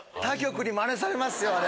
他局にまねされますよ